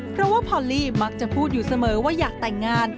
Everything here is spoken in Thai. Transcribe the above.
เพราะว่าพอลลี่มักจะพูดอยู่เสมอว่าอยากแต่งงาน